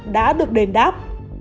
đã được đền đáp